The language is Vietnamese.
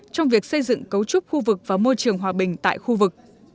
trong việc xây dựng cấu trúc khu vực và môi trường hòa bình tại khu vực